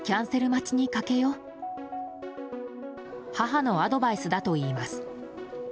母のアドバイスだといいます。